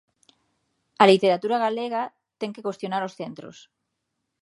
A literatura galega ten que cuestionar os centros.